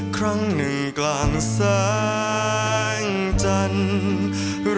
ครั้งหนึ่งกลางแสงจันทร์